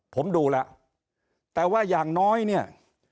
ผมดูแล้วแต่ว่าอย่างน้อยเนี่ย